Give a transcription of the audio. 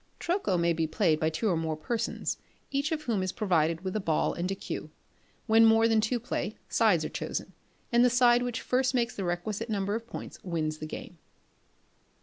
Troco may be played by two or more persons, each of whom is provided with a ball and a cue. When more than two play, sides are chosen, and the side which first makes the requisite number of points wins the game.